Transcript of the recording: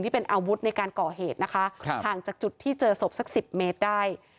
นี่เป็นอาวุธในการก่อเหตุนะคะห่างจากจุดที่เจอศพสักสิบเมตรได้